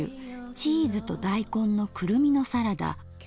「チーズと大根のクルミのサラダ」。